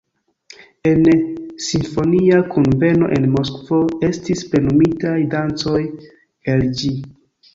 En simfonia kunveno en Moskvo estis plenumitaj dancoj el ĝi.